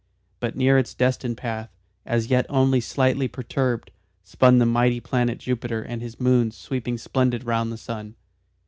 But near its destined path, as yet only slightly perturbed, spun the mighty planet Jupiter and his moons sweeping splendid round the sun.